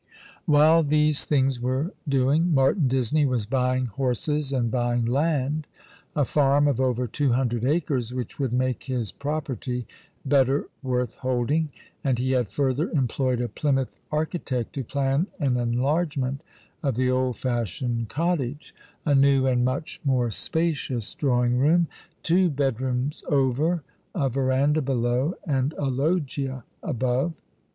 AVhile these things were doing Martin Disney was buying horses and buying land — a farm of over two hundred acres which would make his property better worth holding — and he had further employed a Plymouth architect to plan an enlargement of the old fashioned cottage — a new and much more spacious drawing room, two bedrooms over, a verandah below, and a loggia above.